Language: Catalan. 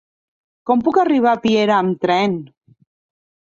Com puc arribar a Piera amb tren?